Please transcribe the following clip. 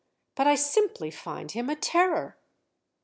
But I simply find him a terror."